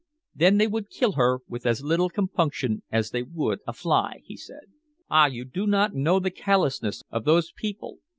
"Then they would kill her with as little compunction as they would a fly," he said. "Ah! you do not know the callousness of those people.